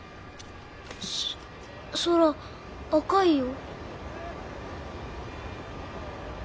空赤いよ。